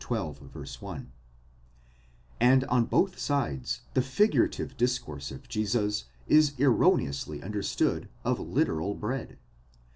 1); and on both sides, the figurative discourse of Jesus is erroneously understood of literal bread.